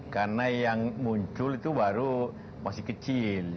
karena yang muncul itu baru masih kecil